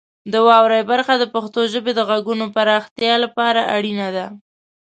د واورئ برخه د پښتو ژبې د غږونو پراختیا لپاره اړینه ده.